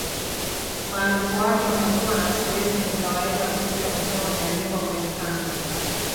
Umaarufu wake umekuwa na siku hizi ni kawaida kukuta misemo imeandikwa kwenye kanga